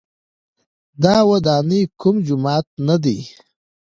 دا ودانۍ کوم جومات نه دی.